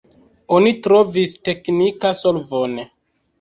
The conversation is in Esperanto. Oni trovis teknika solvon.